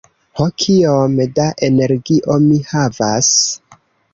Ho, kiom da energio mi havas?